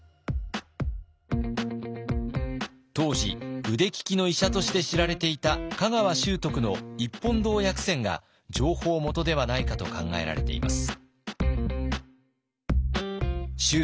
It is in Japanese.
当時腕利きの医者として知られていた香川修徳の「一本堂薬選」が情報元ではないかと考えられています。